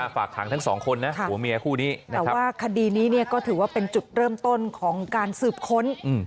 ฝากขังทั้งสองคนนะผัวเมียคู่นี้แต่ว่าคดีนี้เนี่ยก็ถือว่าเป็นจุดเริ่มต้นของการสืบค้น